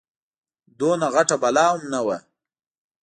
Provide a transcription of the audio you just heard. دومره غټه بلا هم نه وه.